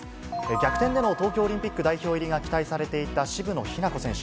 逆転での東京オリンピック代表入りが期待されていた渋野日向子選手。